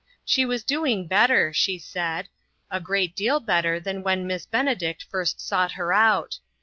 She was doing better, she said ; a great deal better than when Miss Benedict first sought her out.